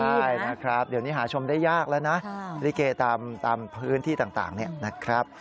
ใช่นะครับเดี๋ยวนี้หาชมได้ยากแล้วนะลิเกตามพื้นที่ต่างเนี่ยนะครับ